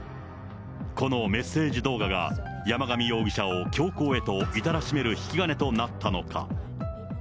このメッセージ動画が、山上容疑者を強行へと至らしめる引き金となったのか。